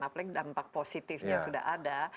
apalagi dampak positifnya sudah ada